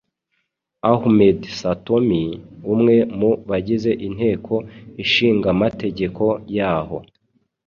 Ahmed Satomi, umwe mu bagize inteko ishingamategeko yaho,